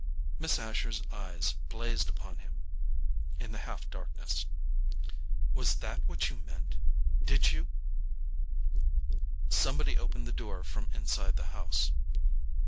Miss Asher's eyes blazed upon him in the half darkness. "Was that what you meant?—did you"— Somebody opened the door from inside the house.